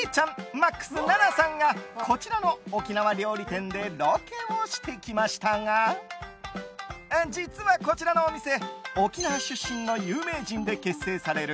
ＭＡＸ・ＮＡＮＡさんがこちらの沖縄料理店でロケをしてきましたが実は、こちらのお店沖縄出身の有名人で結成される